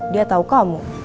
dia tahu kamu